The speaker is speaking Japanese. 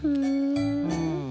うん。